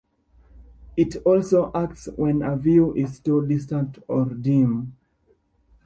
It also acts when a view is too distant or dim.